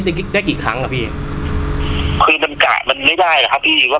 ได้กี่ได้กี่ครั้งอ่ะพี่คือมันกะมันไม่ได้อ่ะ